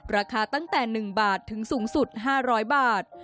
ราคาตั้งแต่๑บาทถึงสูงสุด๕๐๐บาท